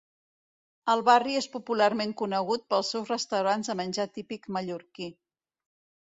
El barri és popularment conegut pels seus restaurants de menjar típic mallorquí.